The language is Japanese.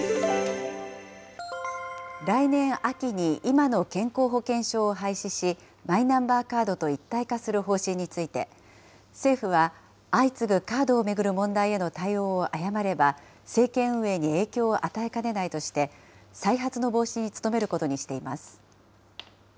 来年秋に今の健康保険証を廃止し、マイナンバーカードと一体化する方針について、政府は、相次ぐカードを巡る問題への対応を誤れば、政権運営に影響を与えかねないとして、再発の防止に努めることにしています。